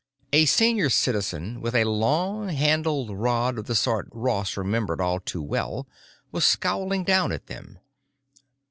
A Senior Citizen with a long handled rod of the sort Ross remembered all too well was scowling down at them.